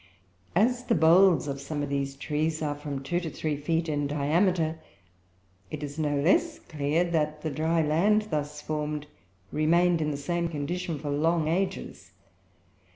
As the bolls of some of these trees are from two to three feet in diameter, it is no less clear that the dry land thus formed remained in the same condition for long ages.